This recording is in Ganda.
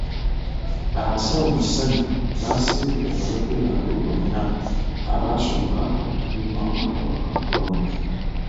Abasawo mu ssanyu baasiibudde abalwadde baabwe bonna abaasooka okuzuulibwamu akawuka ka kolona.